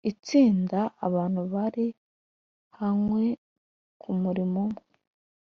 itsinda: abantu bari hamwe ku murimo umwe.